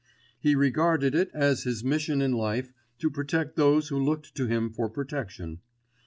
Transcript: He regarded it as his mission in life to protect those who looked to him for protection.